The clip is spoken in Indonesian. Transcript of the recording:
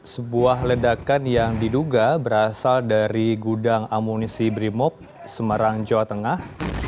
sebuah ledakan yang diduga berasal dari gudang amunisi brimob semarang jawa tengah